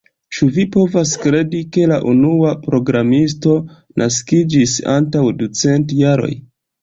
Ĉu vi povas kredi, ke la unua programisto naskiĝis antaŭ ducent jaroj?